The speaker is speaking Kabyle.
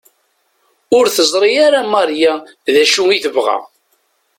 Ur teẓri ara Maria d acu i tebɣa.